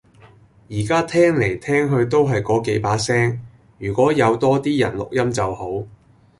而家聽嚟聽去都係嗰幾把聲，如果有多啲人錄音就好